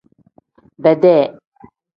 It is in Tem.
Bedee.